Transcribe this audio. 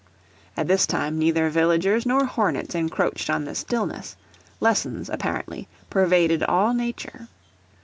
At this time neither villagers nor hornets encroached on the stillness: lessons, apparently, pervaded all Nature.